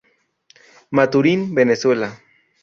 Maturín, Venezuela